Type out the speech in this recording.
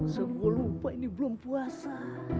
sebelum puasa ini belum puasa